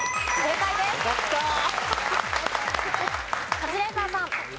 カズレーザーさん。